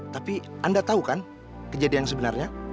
tapi anda tahu kan kejadian sebenarnya